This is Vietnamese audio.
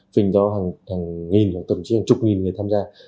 phình do hàng nghìn tậm chí hàng chục nghìn người tham gia